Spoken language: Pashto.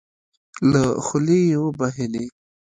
له خولې يې وبهېدې.